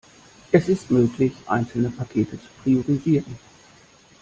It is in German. Es ist möglich, einzelne Pakete zu priorisieren.